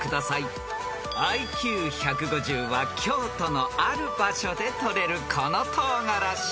［ＩＱ１５０は京都のある場所でとれるこのトウガラシ］